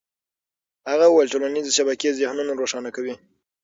هغه وویل چې ټولنيزې شبکې ذهنونه روښانه کوي.